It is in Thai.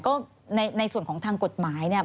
ก็ในส่วนของทางกฎหมายเนี่ย